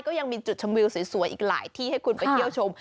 ก็ยังมีจุดชมวิวสวยอีกหลายที่ให้คุณไปเที่ยวชม